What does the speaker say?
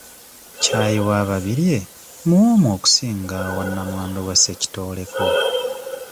Ccaayi wa Babirye muwoomu okusinga owa namwandu wa Ssekitoleko.